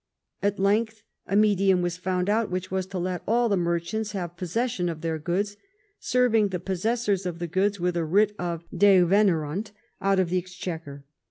At length a medium was found out which was to let all the merchants have possession of their goods, serving the possessors of the goods with a writ of devenirunt out of the Exchequer.